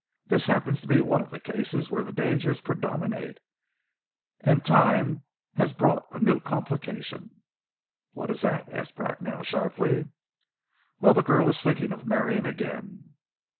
This happens to be one of the cases where the dangers predominate, and time has but brought a new complication." "What is that?" asked Bracknell sharply. "Well, the girl is thinking of marrying again."